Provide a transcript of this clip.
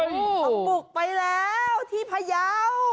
เฮ้ยโอ้โฮเอาบุกไปแล้วที่พะเยาว์